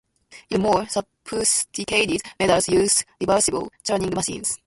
Even more sophisticated models use reversible Turing machines.